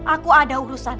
aku ada urusan